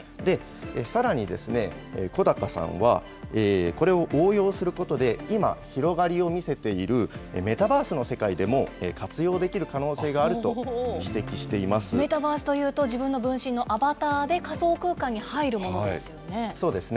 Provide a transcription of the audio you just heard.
さらにですね、小鷹さんはこれを応用することで、今、広がりを見せているメタバースの世界でも活用できる可能性があると指摘してメタバースというと、自分の分身のアバターで仮想空間に入るものですよね。